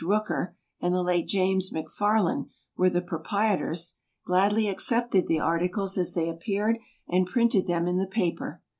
Rooker and the late James MacFarlan were the proprie tors, gladly accepted the articles as they appeared and printed them in the paper.